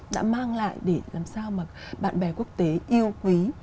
đã mang lại để làm sao mà bạn bè quốc tế yêu quý